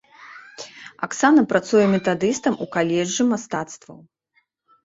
Аксана працуе метадыстам у каледжы мастацтваў.